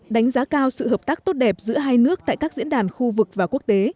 đánh giá cao sự hợp tác tốt đẹp giữa hai nước tại các diễn đàn khu vực và quốc tế